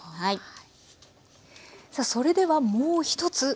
さあそれではもう一つ。